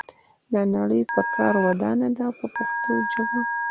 دا نړۍ په کار ودانه ده په پښتو ژبه.